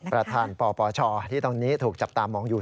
ประธานปปชที่ตอนนี้ถูกจับตามองอยู่